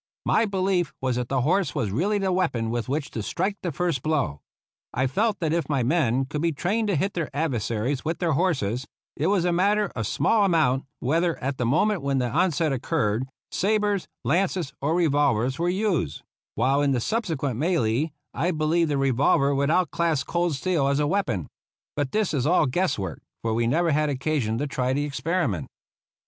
My belief was that the horse was really the weapon with which to strike the hrst blow. 36 RAISING THE REGIMENT I felt that if my men could be trained to hit their adversaries with their horses, it was a matter of small amount whether, at the moment when the onset occurred, sabres, lances, or revolvers were used; while in the subsequent melee I believed the revolver would outclass cold steel as a weapon. But this is all guesswork, for we never had occa sion to try the experiment.